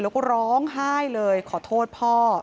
แล้วก็ร้องไห้เลยขอโทษพ่อ